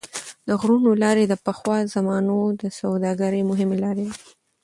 د غرونو لارې د پخوا زمانو د سوداګرۍ مهمې لارې وې.